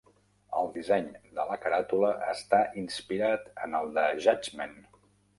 El disseny de la caràtula està inspirat en el de Judgment!